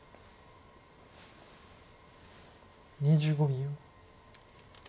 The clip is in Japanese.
２５秒。